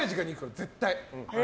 絶対。